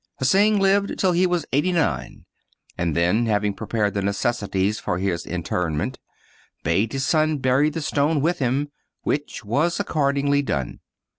Hsing lived till he was eighty nine ; and then having pre pared the necessaries for his interment, bade his son bury the stone with him,* which was accordingly done.